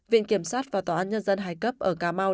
viện kiểm sát và tòa án nhân dân hai cấp ở cà mau